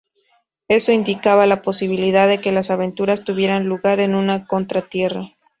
Eso indicaba la posibilidad de que las aventuras tuvieran lugar en una "Contra-Tierra".